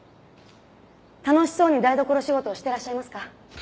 楽しそうに台所仕事をしてらっしゃいますか？